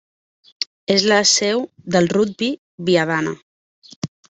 És la seu del Rugby Viadana.